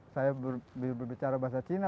saya berbicara bahasa cina